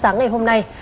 ngày hôm nay